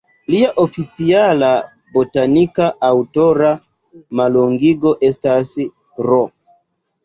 Lia oficiala botanika aŭtora mallongigo estas "R.